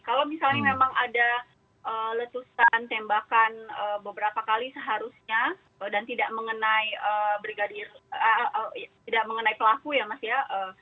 kalau misalnya memang ada letusan tembakan beberapa kali seharusnya dan tidak mengenai brigadir tidak mengenai pelaku ya mas ya